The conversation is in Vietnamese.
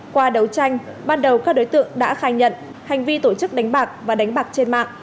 qua đấu tranh ban đầu các đối tượng đã khai nhận hành vi tổ chức đánh bạc và đánh bạc trên mạng